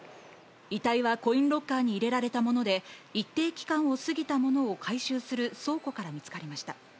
遺体はコインロッカーに入れられたもので、一定期間が過ぎた物を回収する倉庫から見つかりました。